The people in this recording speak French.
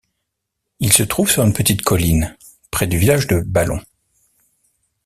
Il se trouve sur une petite colline près du village de Ballon.